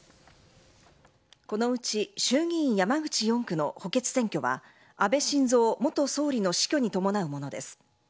このうち衆議院山口４区の補欠選挙は、安倍晋三元総理の死去に伴うものです。